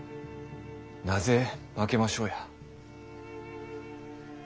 なぜ負けましょうや。